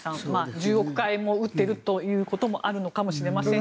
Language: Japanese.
１０億回も打っているということもあるのかもしれませんが。